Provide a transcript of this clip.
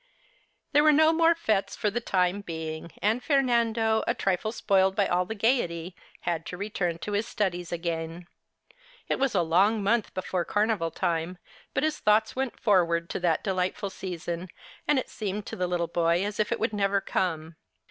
There were no more fetes for the time being, and Fernando, a trifle spoiled by all the gaiety, had to return to his studies again. It was a long month before carnival time, but his thoughts went forward to that delightful sea son, and it seemed to the little boy as if it would never come.